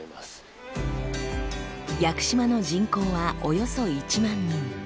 屋久島の人口はおよそ１万人。